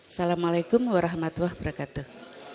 assalamu'alaikum warahmatullahi wabarakatuh